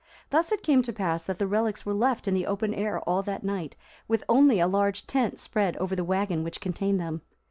Thus it came to pass that the relics were left in the open air all that night, with only a large tent spread over the wagon which contained them.